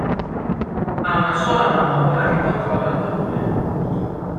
Ha una sola manopola che controlla il volume.